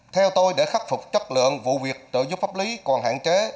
theo tôi để khắc phục chất lượng vụ việc trợ giúp pháp lý còn hạn chế